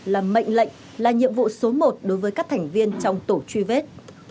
là mệnh lệnh là nhiệm vụ số một đối với các thành viên trong tổ truy vết